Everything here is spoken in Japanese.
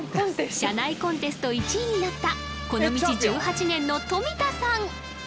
社内コンテスト１位になったこの道１８年の富田さん